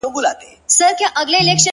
• گراني زر واره درتا ځار سمه زه،